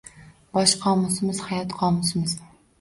Bosh qomusimiz – hayot qomusimiz